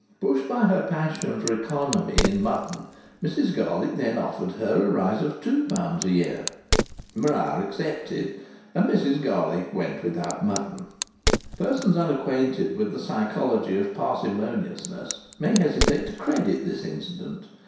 Pushed by her passion for economy in mutton, Mrs Garlick then offered her a rise of £2 a year. Maria accepted, and Mrs Garlick went without mutton. Persons unacquainted with the psychology of parsimoniousness may hesitate to credit this incident.